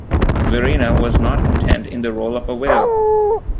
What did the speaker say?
Verina was not content in the role of a widow.